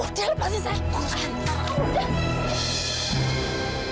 udah lepasin saya